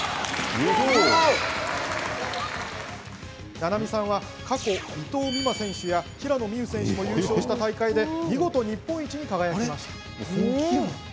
菜々美さんは、過去伊藤美誠選手や平野美宇選手も優勝した大会で見事、日本一に輝きました。